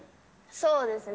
そうですね。